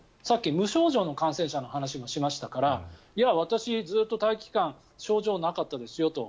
さっき無症状の感染者の話もしましたからいや、私、ずっと待機期間症状なかったですよ